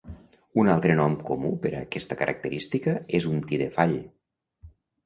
Un altre nom comú per a aquesta característica és un tidefall.